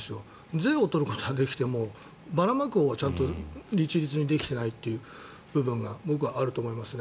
税をとることはできてもばらまくことが一律にできていない部分が僕はあると思いますね。